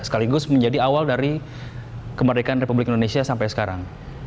sekaligus menjadi awal dari kemerdekaan republik indonesia sampai sekarang